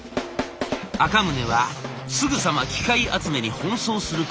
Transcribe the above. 赤宗はすぐさま機械集めに奔走することになります。